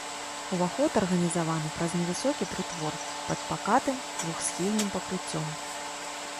Уваход арганізаваны праз невысокі прытвор пад пакатым двухсхільным пакрыццём.